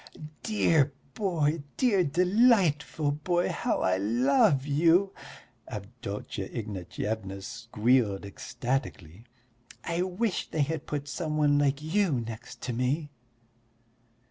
"Dear boy, dear, delightful boy, how I love you!" Avdotya Ignatyevna squealed ecstatically. "I wish they had put some one like you next to me."